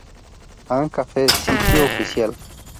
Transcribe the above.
An Cafe Sitio Oficial